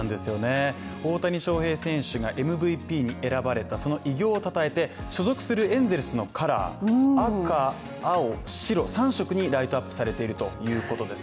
大谷翔平選手がＭＶＰに選ばれたその偉業をたたえて、所属するエンゼルスのカラーにライトアップされているということです。